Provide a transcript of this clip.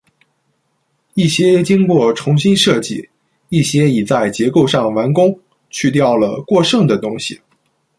一些经过重新设计；一些已在结构上完工，去掉了”过剩的东西“。